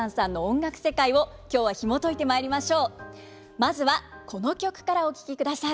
まずはこの曲からお聴きください。